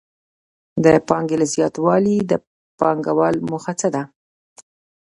د پانګې له زیاتوالي د پانګوال موخه څه ده